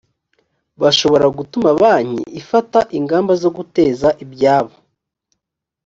bashobora gutuma banki ifata ingamba zo guteza ibyabo